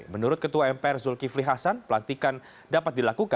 menurut ketua mpr zulkifli hasan pelantikan dapat dilakukan